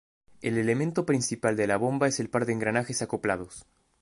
El elemento principal de la bomba es el par de engranajes acoplados.